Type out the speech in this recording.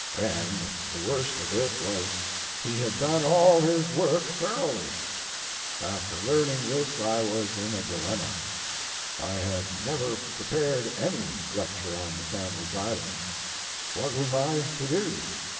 And the worst of it was he had done all his \vork thoroughly. After learning this I \vas in a dilemma. I had never prepared any lecture on the Sandwich Islands. \Vhat was I to do?